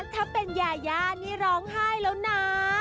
ถ้าเป็นยาย่านี่ร้องไห้แล้วนะ